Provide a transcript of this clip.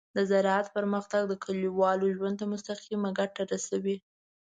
د زراعت پرمختګ د کليوالو ژوند ته مستقیمه ګټه رسوي.